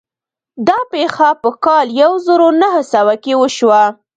دا پېښه په کال يو زر و نهه سوه کې وشوه.